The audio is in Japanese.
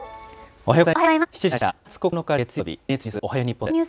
おはようございます。